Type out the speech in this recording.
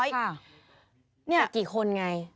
แต่กี่คนไง